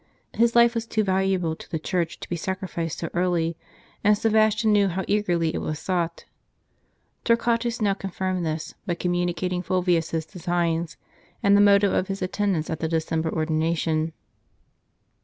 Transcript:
His life was too val uable to the Church to be sacrificed so early, and Sebastian knew how eagerly it was sought. Torquatus now con firmed this, by communicating Ful vius's designs, and the motive of his attendance at the December ordination.